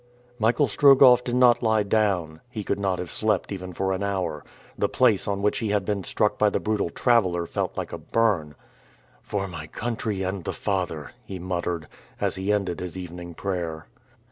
Michael Strogoff did not lie down. He could not have slept even for an hour. The place on which he had been struck by the brutal traveler felt like a burn. "For my country and the Father," he muttered as he ended his evening prayer.